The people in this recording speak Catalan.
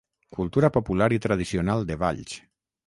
Cultura popular i tradicional de Valls.